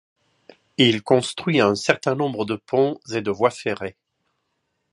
Il construit un certain nombre de ponts et de voies ferrées.